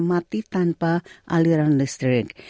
mati tanpa aliran listrik